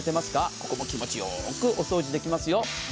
ここも気持ちよくきれいにできますよ。